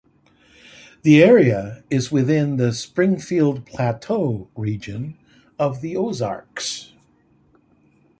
The area is within the Springfield Plateau region of the Ozarks.